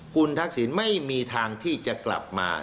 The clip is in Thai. คุณทักษิณไม่มีทางที่จะกลับมา